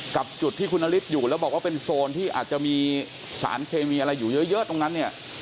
จุดที่คุณนฤทธิ์อยู่แล้วบอกว่าเป็นโซนที่อาจจะมีสารเคมีอะไรอยู่เยอะตรงนั้นเนี่ย